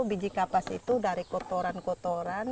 biji kapas itu dari kotoran kotoran